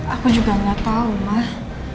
aku juga gak tau mah